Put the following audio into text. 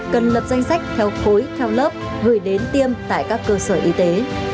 cần lập danh sách theo khối theo lớp gửi đến tiêm tại các cơ sở y tế